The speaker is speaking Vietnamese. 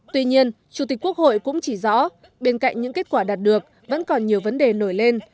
tuy nhiên chủ tịch quốc hội cũng chỉ rõ bên cạnh những kết quả đạt được vẫn còn nhiều vấn đề nổi lên